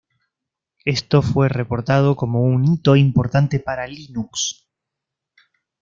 Esto fue reportado como un hito importante para Linux.